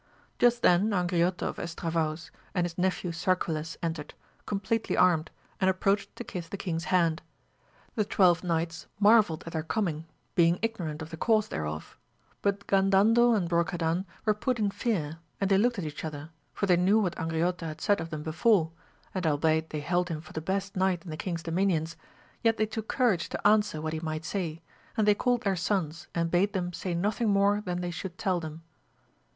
Just then Angriote of Estravaus, and his nephew Sarquiles entered, compleatly armed, and approached to kiss the king's hand. The twelve knights mar relied at their coming being ignorant of the cause thereof, hut Gandandel and Brocadan were put in fear, and they looked at each other, for they knew what Angriote had said of them before, and albeit they held him for the best knight in the kiug's dominions, yet they took courage to answer what he might say, and they called their sons and bade them say nothing more than they should tell them.